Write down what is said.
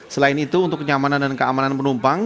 selain itu untuk kenyamanan dan keamanan penumpang